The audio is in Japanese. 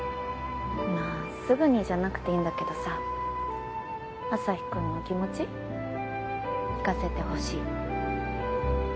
まあすぐにじゃなくていいんだけどさアサヒくんの気持ち聞かせてほしい。